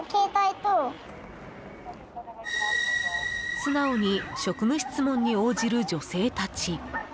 素直に職務質問に応じる女性たち。